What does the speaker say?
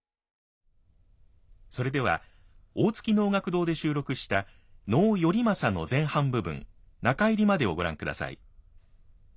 それでは大槻能楽堂で収録した能「頼政」の前半部分中入りまでをご覧ください。